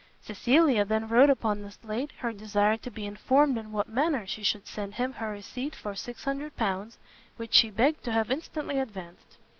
Cecilia then wrote upon the slate her desire to be informed in what manner she should send him her receipt for 600 pounds, which she begged to have instantly advanced.